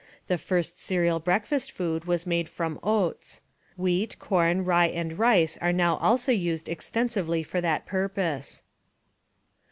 The first cereal breakfast food was made from oats. Wheat, corn, rye and rice are now also used extensively for that purpose.